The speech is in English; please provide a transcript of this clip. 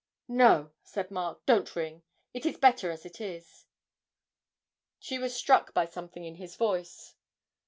'No,' said Mark, 'don't ring; it is better as it is.' She was struck by something in his voice.